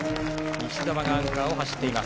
西澤がアンカーを走っています。